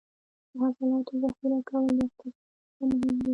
د حاصلاتو ذخیره کول د اقتصاد لپاره مهم دي.